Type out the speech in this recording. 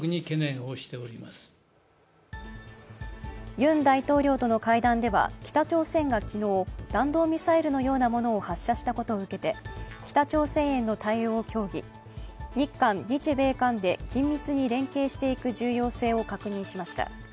ユン大統領との会談では北朝鮮が昨日、弾道ミサイルのようなものを発射したことを受けて北朝鮮への対応を協議、日韓・日米韓で緊密に連携していく重要性を確認しました。